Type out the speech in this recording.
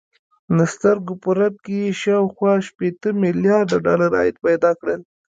د سترګو په رپ کې يې شاوخوا شپېته ميليارده ډالر عايد پيدا کړ.